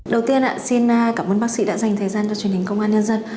đầu tiên xin cảm ơn bác sĩ đã dành thời gian cho truyền hình công an nhân dân